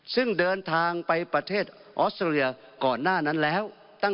ซึ่งเดินทางไปประเทศออสเตรเลียก่อนหน้านั้นแล้ว